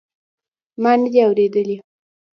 ما ندي اورېدلي.